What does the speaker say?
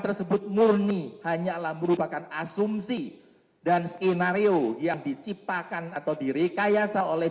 tersebut murni hanyalah merupakan asumsi dan skenario yang diciptakan atau direkayasa oleh